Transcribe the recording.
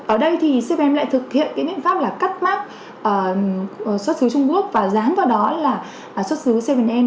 ở đây thì bảy am lại thực hiện cái biện pháp là cắt mắt xuất xứ trung quốc và dán vào đó là xuất xứ bảy am